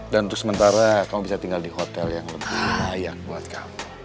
dan untuk sementara kamu bisa tinggal di hotel yang lebih layak buat kamu